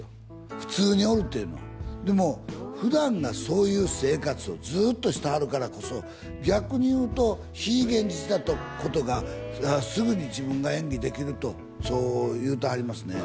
普通におるっていうのはでも普段がそういう生活をずーっとしてはるからこそ逆にいうと非現実だったことがすぐに自分が演技できるとそう言うてはりますね